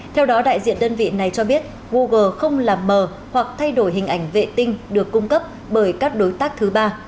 theo đó đại diện đơn vị này cho biết google không làm mờ hoặc thay đổi hình ảnh vệ tinh được cung cấp bởi các đối tác thứ ba